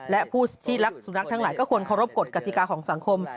และผู้ที่รักสุนัขทั้งหลายก็ควรเคารพกฎกติกาของสังคม